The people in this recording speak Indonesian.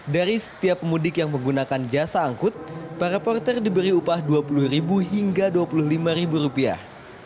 dari setiap pemudik yang menggunakan jasa angkut para porter diberi upah dua puluh hingga dua puluh lima rupiah